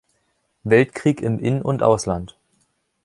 Weltkrieg im In- und Ausland.